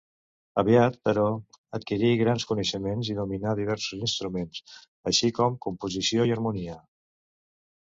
Aviat, però, adquirí grans coneixements i dominà diversos instruments, així com composició i harmonia.